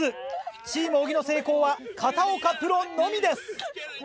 チーム小木の成功は片岡プロのみです！